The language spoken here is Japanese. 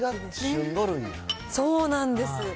そうなんです。